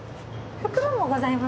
袋もございます。